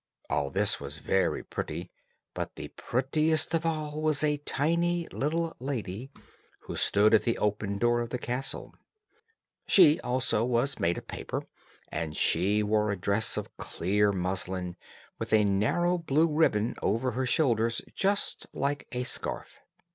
All this was very pretty, but the prettiest of all was a tiny little lady, who stood at the open door of the castle; she, also, was made of paper, and she wore a dress of clear muslin, with a narrow blue ribbon over her shoulders just like a scarf.